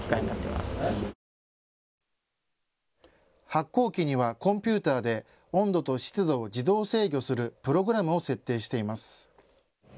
発酵機にはコンピューターで温度と湿度を自動制御するプログラムを設定しています。